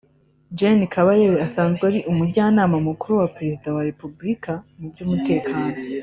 Gen Kabarebe usanzwe ari Umujyanama Mukuru wa Perezida wa Repubulika mu by’umutekano